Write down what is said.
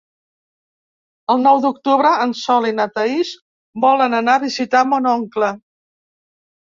El nou d'octubre en Sol i na Thaís volen anar a visitar mon oncle.